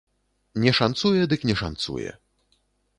Не шанцуе дык не шанцуе.